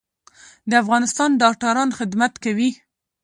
د افغانستان ډاکټران خدمت کوي